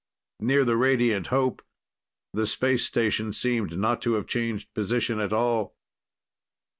Near the Radiant Hope, the space station seemed not to have changed position at all.